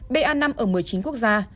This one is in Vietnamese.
ba năm ở một mươi chín quốc gia